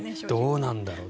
どうなんだろう。